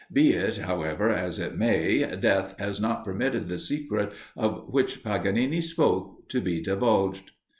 Be it, however, as it may, death has not permitted the secret, of which Paganini spoke, to be divulged.